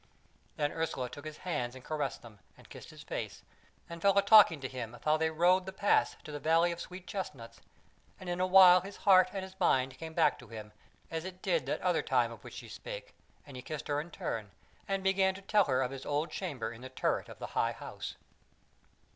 Then Ursula took his hands and caressed them, and kissed his face, and fell a talking to him of how they rode the pass to the Valley of Sweet Chestnuts; and in a while his heart and his mind came back to him as it did that other time of which she spake, and he kissed her in turn, and began to tell her of his old chamber in the turret of the High House.